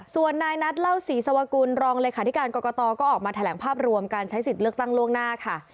ส่วนนายนัทเล่าศรีสวกุลรองเลขาธิการกรกตก็ออกมาแถลงภาพรวมการใช้สิทธิ์เลือกตั้งล่วงหน้าค่ะ